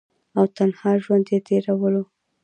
او تنها ژوند ئې تيرولو ۔